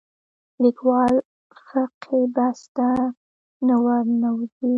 لیکوال فقهي بحث ته نه ورننوځي